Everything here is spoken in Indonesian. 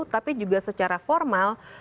tapi juga secara formal